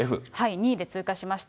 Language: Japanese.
２位で通過しました。